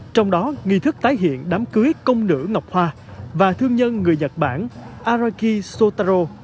trong đó nghi thức tái hiện đám cưới công nữ ngọc hoa và thương nhân người nhật bản araki sotaro